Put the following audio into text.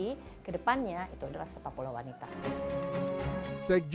dan kamu tidak perlu harus menjadi pemain sepak bola wanita itu sebenarnya bisa kamu geluti